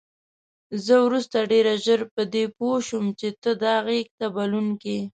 زه وروسته ډېره ژر په دې پوه شوم چې ته دا غېږ ته بلونکی.